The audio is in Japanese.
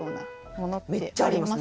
めっちゃあります。